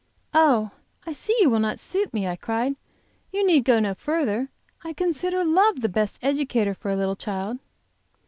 "Oh, I see you will not suit me," I cried. "You need go no farther. I consider love the best educator for a little child."